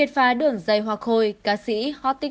triệt pha đường dây hoa khôi cà siêu hà nội